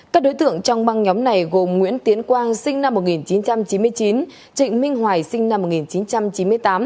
các đối tượng trong băng nhóm này gồm nguyễn tiến quang sinh năm một nghìn chín trăm chín mươi chín trịnh minh hoài sinh năm một nghìn chín trăm chín mươi tám